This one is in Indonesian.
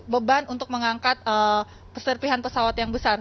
beban untuk mengangkat serpihan pesawat yang besar